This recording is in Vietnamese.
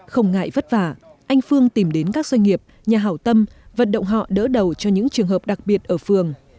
không ngại vất vả anh phương tìm đến các doanh nghiệp nhà hảo tâm vận động họ đỡ đầu cho những trường hợp đặc biệt ở phường